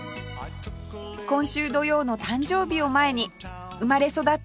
今週土曜の誕生日を前に生まれ育った街